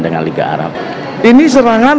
dengan liga arab ini serangan